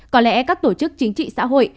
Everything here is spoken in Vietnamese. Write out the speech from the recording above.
có lẽ các tổ chức chính trị xã hội